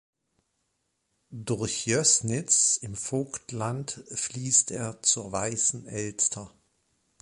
Durch Jößnitz im Vogtland fließt er zur Weißen Elster.